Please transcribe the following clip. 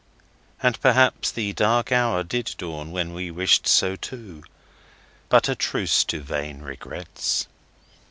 And perhaps the dark hour did dawn when we wished so too. But a truce to vain regrets.